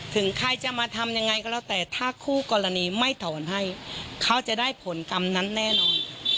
ถึงใครจะมาทำยังไงก็แล้วแต่ถ้าคู่กรณีไม่ถอนให้เขาจะได้ผลกรรมนั้นแน่นอน